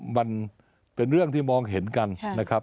มันเป็นเรื่องที่มองเห็นกันนะครับ